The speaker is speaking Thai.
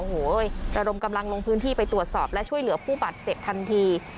โอ้โหระดมกำลังลงพื้นที่ไปตรวจสอบและช่วยเหลือผู้บาดเจ็บทันที